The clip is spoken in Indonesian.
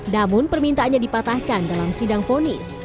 namun permintaannya dipatahkan dalam sidang fonis